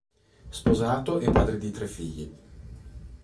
Sposato e padre di tre figli.